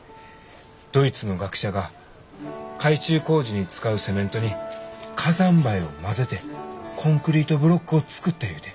ドイツの学者が海中工事に使うセメントに火山灰を混ぜてコンクリートブロックを作ったゆうて。